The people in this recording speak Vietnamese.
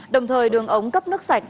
đồng thời đường ống cấp nước sạch